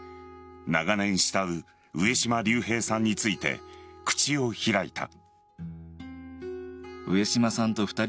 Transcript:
長年慕う上島竜兵さんについて口を開いた。